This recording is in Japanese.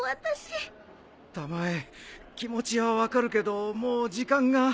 たまえ気持ちは分かるけどもう時間が。